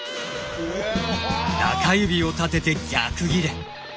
中指を立てて逆ギレ。